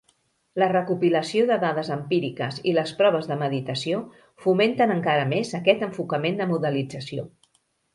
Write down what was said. La recopilació de dades empíriques i les proves de meditació fomenten encara més aquest enfocament de modelització.